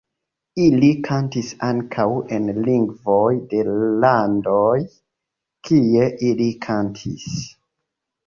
Ili kantis ankaŭ en lingvoj de landoj, kie ili kantis.